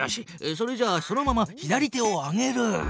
それじゃあそのまま左手を上げる。